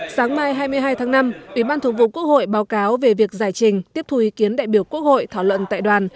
sáng mai hai mươi hai tháng năm ubth báo cáo về việc giải trình tiếp thu ý kiến đại biểu quốc hội thảo luận tại đoàn